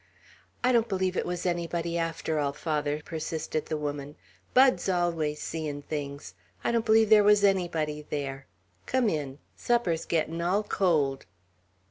"I don't believe it was anybody, after all, father," persisted the woman. "Bud's always seein' things. I don't believe there was anybody there. Come in; supper's gettin' all cold."